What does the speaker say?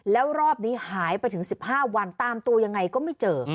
แล้วรอบนี้หายไปถึง๑๕วันตามตัวยังไงก็ไม่เจอ